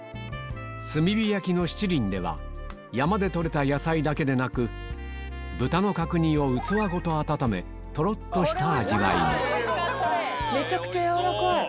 炭火焼きの七輪では山で採れた野菜だけでなく豚の角煮を器ごと温めとろっとした味わいにめちゃくちゃ軟らかい！